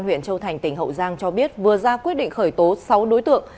huyện châu thành tỉnh hậu giang cho biết vừa ra quyết định khởi tố sáu đối tượng